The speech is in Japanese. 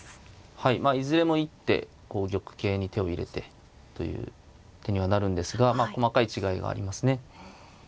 はいいずれも一手玉形に手を入れてという手にはなるんですが細かい違いがありますね。